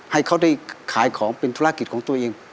ให้เขาได้ขายของเป็นธุรกิจของตัวเอง